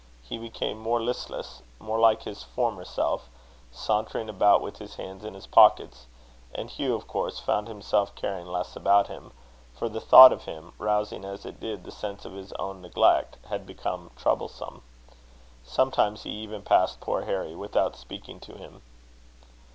He became more listless, more like his former self sauntering about with his hands in his pockets. And Hugh, of course, found himself caring less about him; for the thought of him, rousing as it did the sense of his own neglect, had become troublesome. Sometimes he even passed poor Harry without speaking to him.